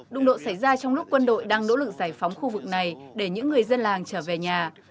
đụng độ xảy ra trong lúc quân đội đang nỗ lực giải phóng khu vực này để những người dân làng trở về nhà